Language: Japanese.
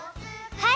はい。